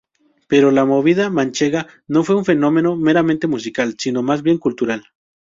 Pero la movida manchega no fue un fenómeno meramente musical, sino más bien cultural.